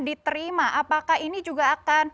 diterima apakah ini juga akan